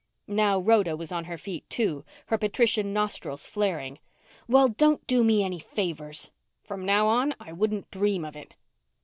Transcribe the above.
Now Rhoda was on her feet, too, her patrician nostrils flaring. "Well, don't do me any favors." "From now on, I wouldn't dream of it."